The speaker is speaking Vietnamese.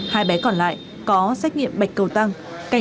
hai bé còn lại có xét nghiệm bạch cầu tăng